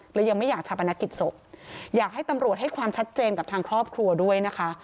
ยังไม่อยากชาปนกิจศพอยากให้ตำรวจให้ความชัดเจนกับทางครอบครัวด้วยนะคะ